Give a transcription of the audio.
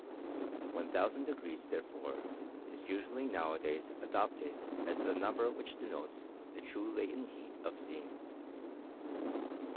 lOOO^ therefore, is usually now a days adopted as the num* ber which denotes the true latent heat of steam.